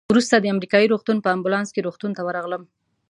وروسته د امریکایي روغتون په امبولانس کې روغتون ته ورغلم.